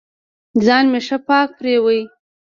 ځان مې ښه پاک پرېوه.